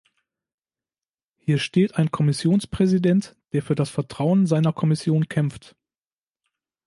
Hier steht ein Kommissionspräsident, der für das Vertrauen zu seiner Kommission kämpft.